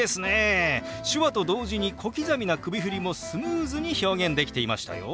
手話と同時に小刻みな首振りもスムーズに表現できていましたよ。